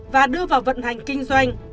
và đưa vào vận hành kinh doanh